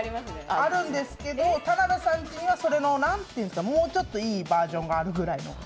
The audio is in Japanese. あるんですけど、田辺さんちにはもうちょっといいバージョンがある。